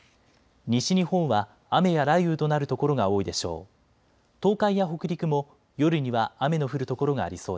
西日本は雨や雷雨となる所が多いでしょう。